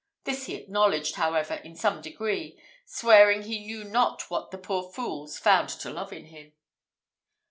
This he acknowledged, however, in some degree, swearing he knew not what the poor fools found to love in him.